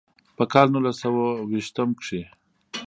پۀ کال نولس سوه ويشتم کښې